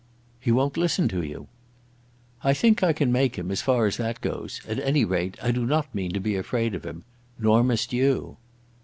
"He won't listen to you." "I think I can make him, as far as that goes; at any rate I do not mean to be afraid of him. Nor must you."